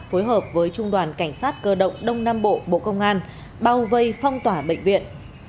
phối hợp với trung đoàn cảnh sát cơ động đông nam bộ bộ công an bao vây phong tỏa bệnh viện